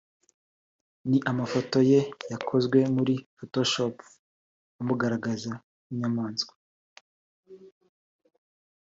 ni amafoto ye yakozwe muri Photoshop amugaragaza nk’inyamaswa